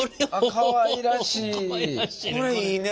かわいらしいね。